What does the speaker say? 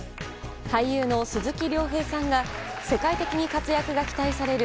俳優の鈴木亮平さんが世界的に活躍が期待される